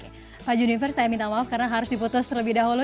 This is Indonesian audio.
oke pak junifer saya minta maaf karena harus diputus terlebih dahulu